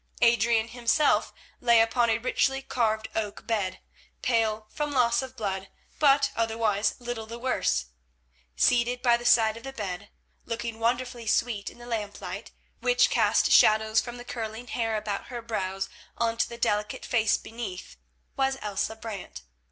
Adrian himself lay upon a richly carved oak bed, pale from loss of blood, but otherwise little the worse. Seated by the side of the bed, looking wonderfully sweet in the lamplight, which cast shadows from the curling hair about her brows on to the delicate face beneath, was Elsa Brant.